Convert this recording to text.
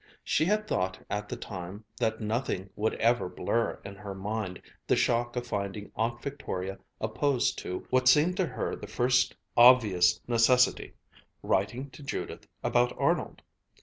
She had thought at the time that nothing would ever blur in her mind the shock of finding Aunt Victoria opposed to what seemed to her the first obvious necessity: writing to Judith about Arnold.